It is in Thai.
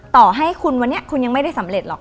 ต่อให้คุณวันนี้คุณยังไม่ได้สำเร็จหรอก